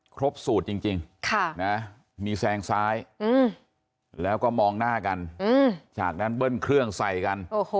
ครบสูตรจริงมีแซงซ้ายแล้วก็มองหน้ากันจากนั้นเบิ้ลเครื่องใส่กัน